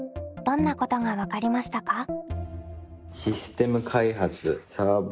どんなことが分かりましたか？